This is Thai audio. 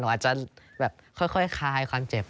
อาจจะแบบค่อยคลายความเจ็บ